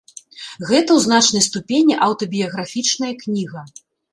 Гэта ў значнай ступені аўтабіяграфічная кніга.